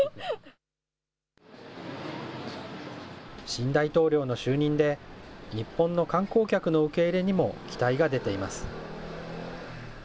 新大統領の就任で、日本の観光客の受け入れにも期待が出ています。